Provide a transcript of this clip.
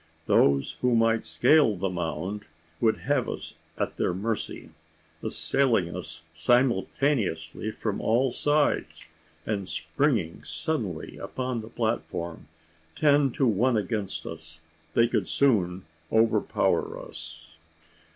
Those who might scale the mound, would have us at their mercy. Assailing us simultaneously from all sides, and springing suddenly upon the platform, ten to one against us, they could soon overpower us.